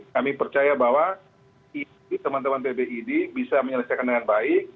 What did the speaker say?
kami percaya bahwa ini teman teman pbid bisa menyelesaikan dengan baik